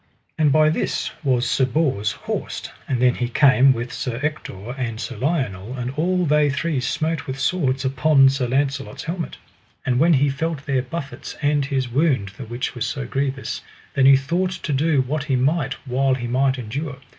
And by this was Sir Bors horsed, and then he came with Sir Ector and Sir Lionel, and all they three smote with swords upon Sir Launcelot's helmet. And when he felt their buffets and his wound, the which was so grievous, then he thought to do what he might while he might endure.